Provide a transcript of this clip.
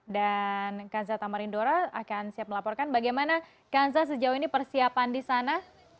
dan kansa tamarindora akan siap melaporkan bagaimana kansa sejauh ini persiapan di sana